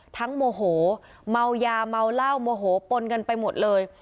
โมโหเมายาเมาเหล้าโมโหปนกันไปหมดเลย